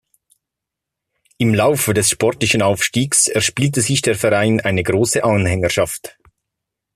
Im Laufe des sportlichen Aufstiegs erspielte sich der Verein eine große Anhängerschaft.